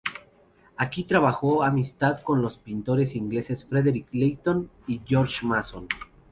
Aquí trabó amistad con los pintores ingleses Frederic Leighton y George Mason.